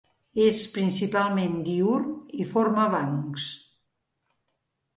És principalment diürn i forma bancs.